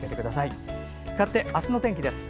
かわって、明日の天気です。